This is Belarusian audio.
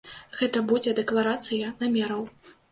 Гэта будзе дэкларацыя намераў.